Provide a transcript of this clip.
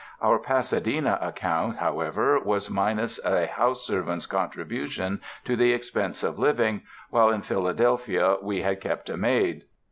Our Pasadena account, however, was minus a house servant's contribution to the expense of living, while in Philadelphia we had kept a maid.